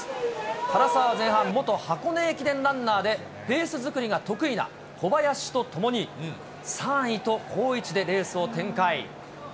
唐澤は前半、元箱根駅伝ランナーで、ペース作りが得意な小林と共に、３位と好位置でレースを展開。